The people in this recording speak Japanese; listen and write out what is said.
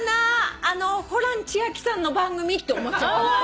あのホラン千秋さんの番組って思っちゃったもんね。